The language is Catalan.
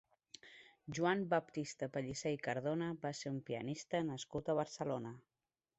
Joan Baptista Pellicer i Cardona va ser un pianista nascut a Barcelona.